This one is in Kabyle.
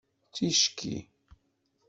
Ticki